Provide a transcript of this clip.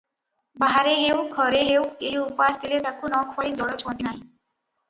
ବାହାରେ ହେଉ, ଘରେ ହେଉ, କେହି ଉପାସ ଥିଲେ ତାକୁ ନ ଖୁଆଇ ଜଳ ଛୁଅନ୍ତି ନାହିଁ ।